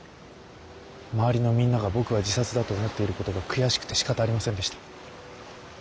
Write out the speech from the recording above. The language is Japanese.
周りのみんなが僕は自殺だと思っていることが悔しくてしかたありませんでした。